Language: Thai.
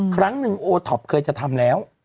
ครั้งหนึ่งโอท็อปเคยจะทำแล้ว